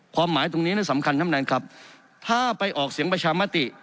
ความหมายตรงนี้สำคัญทำหนังครับถ้าไปออกเสียงประชามาติ